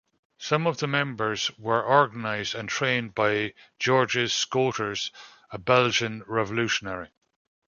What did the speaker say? Some of the members were organized and trained by Georges Schoeters, a Belgian revolutionary.